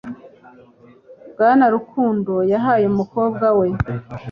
Bwana Rukundo yahaye umukobwa we